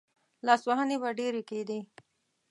لاسوهنې به ډېرې کېدې.